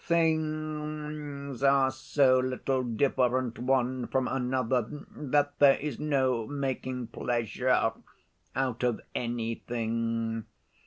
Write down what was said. Things are so little different one from another, that there is no making pleasure out of anything.